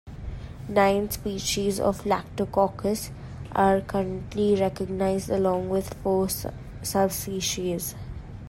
Nine species of "Lactococcus" are currently recognized along with four subspecies.